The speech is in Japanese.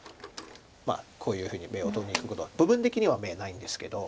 こういうふうに眼を取りにいくことは部分的には眼ないんですけど。